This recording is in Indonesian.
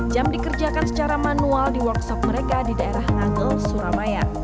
jam dikerjakan secara manual di workshop mereka di daerah ngangel surabaya